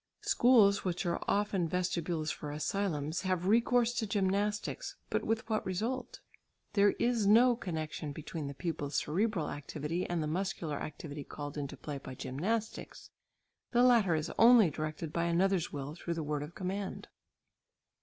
Schools which are often vestibules for asylums, have recourse to gymnastics, but with what result? There is no connection between the pupil's cerebral activity and the muscular activity called into play by gymnastics; the latter is only directed by another's will through the word of command.